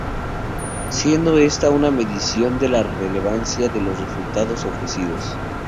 Siendo esta una medición de la relevancia de los resultados ofrecidos.